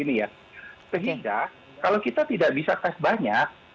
sehingga kalau kita tidak bisa tes banyak